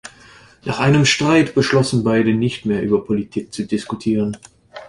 Nach einem Streit beschlossen beide, nicht mehr über Politik zu diskutieren.